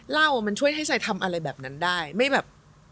เหล้ามันช่วยให้ซายทำอะไรแบบนั้นได้ไม่แบบ